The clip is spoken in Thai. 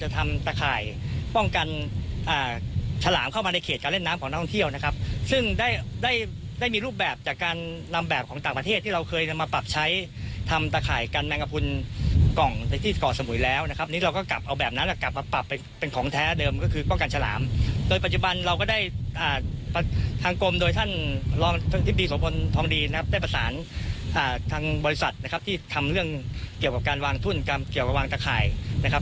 ทางกลมโดยท่านลองที่ปีสมพลธรรมดีนะครับได้ประสานทางบริษัทนะครับที่ทำเรื่องเกี่ยวกับการวางทุ่นกลางเกี่ยวกับวางตะข่ายนะครับ